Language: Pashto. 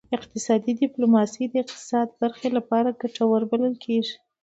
اقتصادي ډیپلوماسي د اقتصاد برخې لپاره ګټوره بلل کیږي